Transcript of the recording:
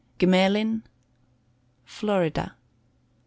Gmelin. Florida.